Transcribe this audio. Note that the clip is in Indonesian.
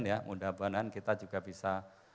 ya mudah mudahan kita juga bisa